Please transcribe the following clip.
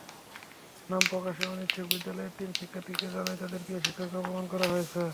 নাম প্রকাশে অনিচ্ছুক বিদ্যালয়ের তিন শিক্ষার্থী জানায়, তাদের প্রিয় শিক্ষককে অপমান করা হয়েছে।